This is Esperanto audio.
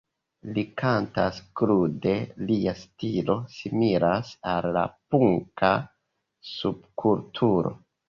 Li kantas krude, lia stilo similas al la punka subkulturo.